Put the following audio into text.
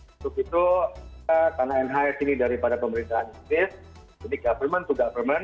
untuk itu kita karena nhs ini daripada pemerintahan inggris jadi government to government